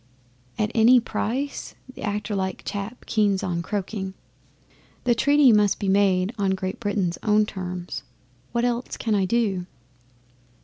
'"At any price?" the actor like chap keeps on croaking. '"The treaty must be made on Great Britain's own terms. What else can I do?"